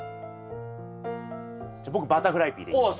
じゃ僕バタフライピーでいきます。